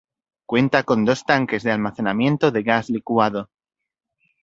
Cuenta con dos tanques de almacenamiento de gas licuado.